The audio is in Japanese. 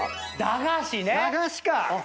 駄菓子か！